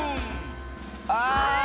あ！